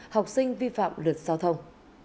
học sinh vi phạm lực giao thông